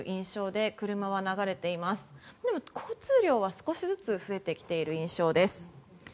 でも、交通量は少しずつ増えてきている印象です。